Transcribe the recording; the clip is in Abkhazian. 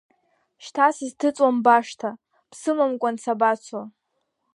Шьҭа сызҭыҵуам башҭа, бсымамкәан сабацо?!